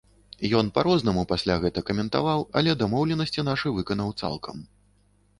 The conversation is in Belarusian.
Ён па-рознаму пасля гэта каментаваў, але дамоўленасці нашы выканаў цалкам.